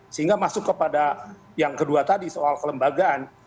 sehingga masuk kepada yang kedua tadi soal kelembagaan